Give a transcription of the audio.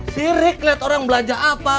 sirik lihat orang belanja apa